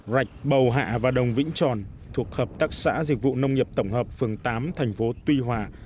rạch bầu hạ và đồng vĩnh tròn thuộc hợp tác xã dịch vụ nông nghiệp tổng hợp phường tám thành phố tuy hòa